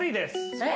えっ。